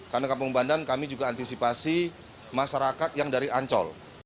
karena kampung bandan kami juga antisipasi masyarakat yang dari ancol